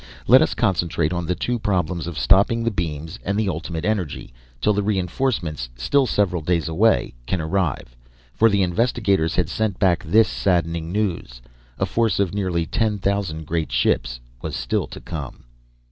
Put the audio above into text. "Let us concentrate on the two problems of stopping the beams, and the Ultimate Energy till the reenforcements, still several days away, can arrive." For the investigators had sent back this saddening news. A force of nearly ten thousand great ships was still to come.